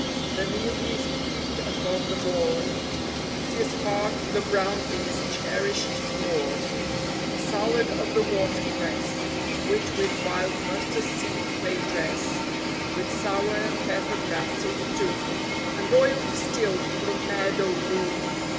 3 1 The meal is heaped upon the board ; 'T is part the brown bees' cherished hoard ; A salad of the water cress, Which with wild mustard seed they dress, With sour and pepper grasses too, And oil distilled from meadow rue.